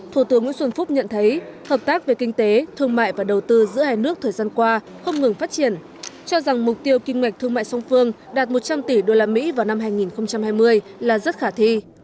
thủ tướng nguyễn xuân phúc nhận thấy hợp tác về kinh tế thương mại và đầu tư giữa hai nước thời gian qua không ngừng phát triển cho rằng mục tiêu kinh ngạch thương mại song phương đạt một trăm linh tỷ usd vào năm hai nghìn hai mươi là rất khả thi